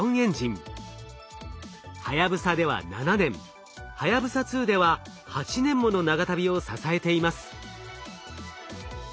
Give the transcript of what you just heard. はやぶさでは７年はやぶさ２では８年もの長旅を支えています。